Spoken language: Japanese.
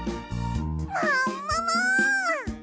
ももも！